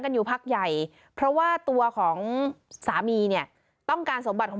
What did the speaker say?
อยู่พักใหญ่เพราะว่าตัวของสามีเนี่ยต้องการสมบัติของ